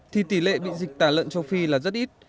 thì tỷ lệ bị dịch tả lợn châu phi là rất ít